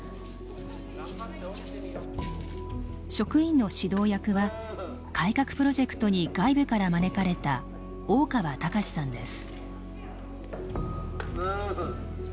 職員の指導役は改革プロジェクトに外部から招かれた大川貴志さんです。